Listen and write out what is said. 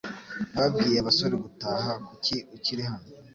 Nababwiye abasore gutaha. Kuki ukiri hano?